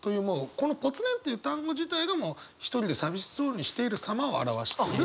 この「ぽつねん」という単語自体が一人で寂しそうにしているさまを表している。